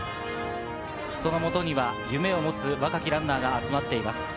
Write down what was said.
その元には夢を持つ若きランナーが集まっています。